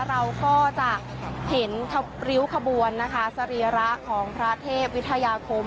เราก็จะเห็นริ้วขบวนนะคะสรีระของพระเทพวิทยาคม